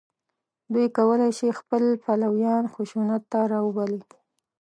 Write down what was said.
دوی کولای شي خپل پلویان خشونت ته راوبولي